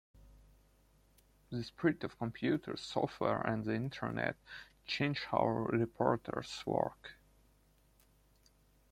The spread of computers, software and the Internet changed how reporters work.